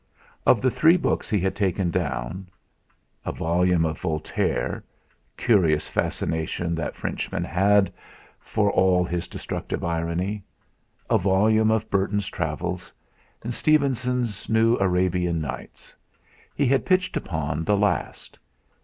Of the three books he had taken down, a Volume of Voltaire curious fascination that Frenchman had, for all his destructive irony! a volume of Burton's travels, and Stevenson's "New Arabian Nights," he had pitched upon the last.